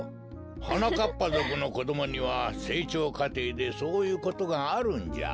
はなかっぱぞくのこどもにはせいちょうかていでそういうことがあるんじゃ。